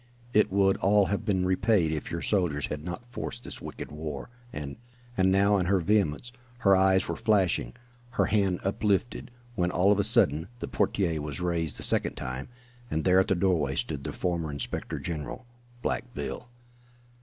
It would all have been repaid if your soldiers had not forced this wicked war, and " and now in her vehemence her eyes were flashing, her hand uplifted, when, all on a sudden, the portière was raised the second time, and there at the doorway stood the former inspector general, "Black Bill."